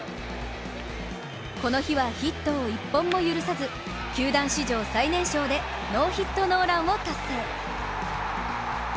この日はヒットを１本も許さず、球団史上最年少でノーヒットノーランを達成。